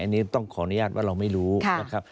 อันนี้ต้องขออนุญาตว่าเราไม่รู้นะครับ